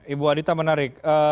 ibu adita menarik